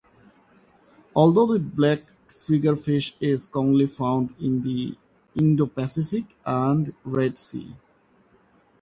Although, the black triggerfish is commonly found in the Indo Pacific and Red Sea.